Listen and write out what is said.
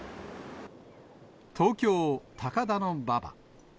東京・高田馬場。